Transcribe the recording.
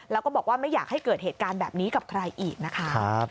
แล้วก็บอกว่าไม่อยากให้เกิดเหตุการณ์แบบนี้กับใครอีกนะคะ